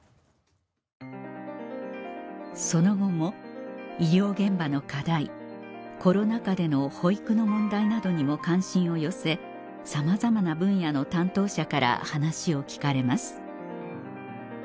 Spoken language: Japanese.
その後も医療現場の課題コロナ禍での保育の問題などにも関心を寄せさまざまな分野の担当者から話を聞かれます